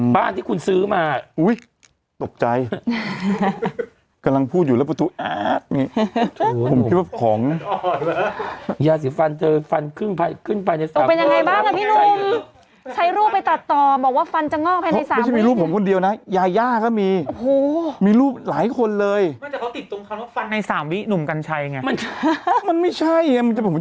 บ้านที่คุณซื้อมาอุ้ยตกใจกำลังพูดอยู่แล้วประตูนี่ผมคิดว่าของยาศิษย์ฟันเจอฟันขึ้นไปขึ้นไปตกเป็นยังไงบ้างล่ะพี่นุ่มใช้รูปไปตัดต่อบอกว่าฟันจะงอกให้ในสามวิไม่ใช่มีรูปผมคนเดียวนะยายาก็มีโอ้โหมีรูปหลายคนเลยมันแต่เขาติดตรงคำว่าฟันในสามวิหนุ่มก